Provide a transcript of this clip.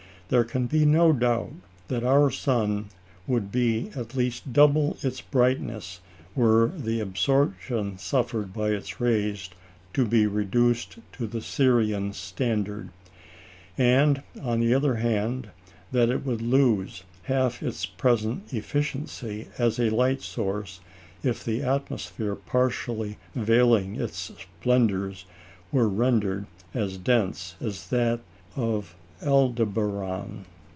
There can be no doubt that our sun would at least double its brightness were the absorption suffered by its rays to be reduced to the Sirian standard; and, on the other hand, that it would lose half its present efficiency as a light source if the atmosphere partially veiling its splendours were rendered as dense as that of Aldebaran.